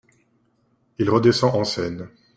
Il redescend en scène.